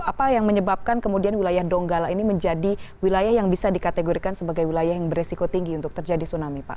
apa yang menyebabkan kemudian wilayah donggala ini menjadi wilayah yang bisa dikategorikan sebagai wilayah yang beresiko tinggi untuk terjadi tsunami pak